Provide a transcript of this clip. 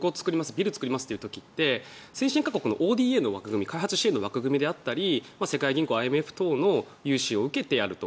ビルを作りますという時ってＯＤＡの枠組み開発支援の枠組みだったり世界銀行・ＩＭＦの融資を受けてやると。